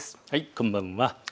こんばんは。